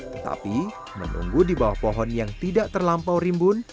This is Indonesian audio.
tetapi menunggu di bawah pohon yang tidak terlampau rimbun